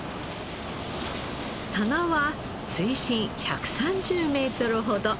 棚は水深１３０メートルほど